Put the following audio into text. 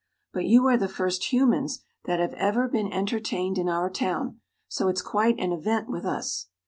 But you are the first humans that have ever been entertained in our town, so it's quite an event with us."